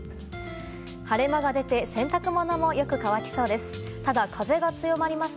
晴れ間が出て洗濯物もよく乾きそうです。